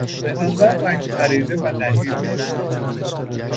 به نظر رنگ پریده و نحیف است.